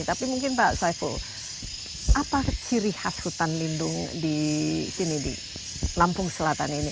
tapi mungkin pak saiful apa ciri khas hutan lindung di sini di lampung selatan ini